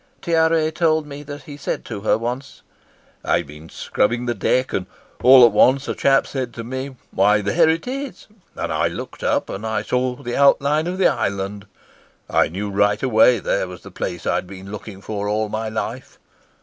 Tiare told me that he said to her once: "I'd been scrubbing the deck, and all at once a chap said to me: 'Why, there it is.' And I looked up and I saw the outline of the island. I knew right away that there was the place I'd been looking for all my life.